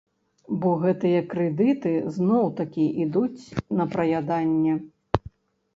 Бо гэтыя крэдыты зноў-такі ідуць на праяданне.